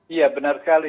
iya benar sekali